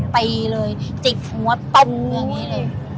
ไปเลยจิบหัวต้มอย่างงี้เลย